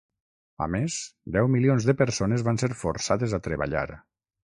A més, deu milions de persones van ser forçades a treballar.